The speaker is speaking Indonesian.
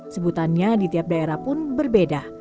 sebutannya di tiap daerah pun berbeda